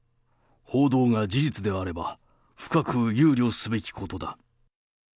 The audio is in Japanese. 報道が事実であれば、深く憂慮すべきことだ。